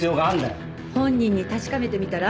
本人に確かめてみたら？